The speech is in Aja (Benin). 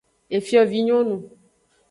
Efiovinyonu.